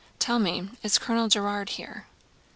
* "Tell me, is Colonel Gérard here?"